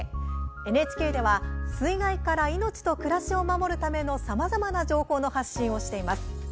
ＮＨＫでは水害から命と暮らしを守るためのさまざまな情報の発信をしています。